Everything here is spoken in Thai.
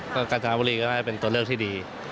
กัจจานบุรีก็ไม่ได้เป็นตัวเลือกที่ดี